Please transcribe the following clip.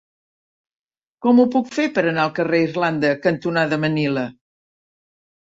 Com ho puc fer per anar al carrer Irlanda cantonada Manila?